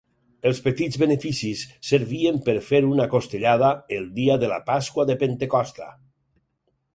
Els petits beneficis servien per fer una costellada el dia de la Pasqua de Pentecosta.